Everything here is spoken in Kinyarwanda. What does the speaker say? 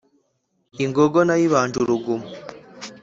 Ingogo nayibanje uruguma